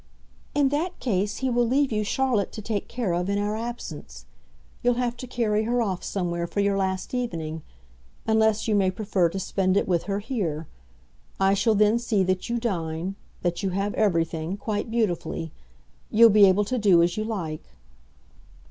"In that case he will leave you Charlotte to take care of in our absence. You'll have to carry her off somewhere for your last evening; unless you may prefer to spend it with her here. I shall then see that you dine, that you have everything, quite beautifully. You'll be able to do as you like."